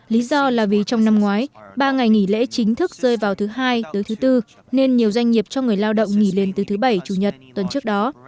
lý do là vì trong năm ngoái ba ngày nghỉ lễ chính thức rơi vào thứ hai tới thứ tư nên nhiều doanh nghiệp cho người lao động nghỉ liền từ thứ bảy chủ nhật tuần trước đó